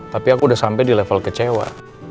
tapi aku udah sampai di level kecewa